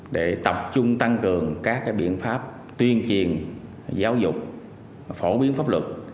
để tập trung tăng cường các biện pháp tuyên truyền giáo dục phổ biến pháp luật